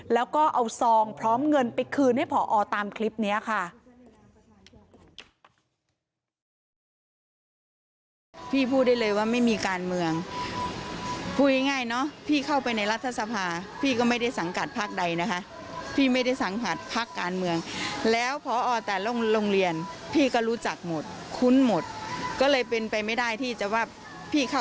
แล้วก็เอาซองพร้อมเงินไปคืนให้ผอตามคลิปนี้ค่ะ